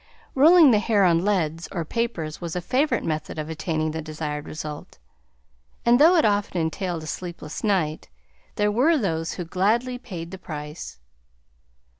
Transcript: Rolling the hair on leads or papers was a favorite method of attaining the desired result, and though it often entailed a sleepless night, there were those who gladly paid the price.